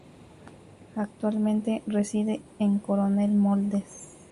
Actualmente reside en Coronel Moldes.